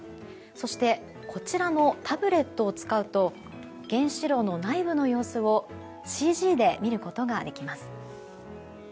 そしてこちらのタブレットを使うと原子炉の内部の様子をＣＧで見ることができます。